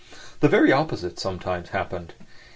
The very opposite sometimes happened.